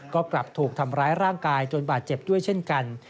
ก็กลับถูกทำร้ายร่างกายจนบาดเจ็บด้วยเช่นกัน